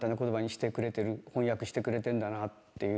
翻訳してくれてんだなっていう。